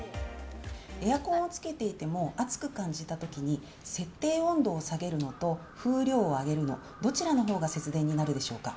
エアコンをつけていても、暑く感じたときに、設定温度を下げるのと、風量を上げるの、どちらのほうが節電になるでしょうか。